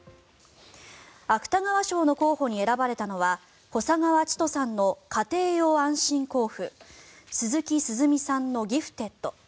芥川賞の候補に選ばれたのは小砂川チトさんの「家庭用安心坑夫」鈴木涼美さんの「ギフテッド」